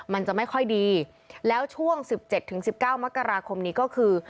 มันจะไม่ค่อยดีแล้วช่วง๑๗๑๙มกราคมนี้ก็คือ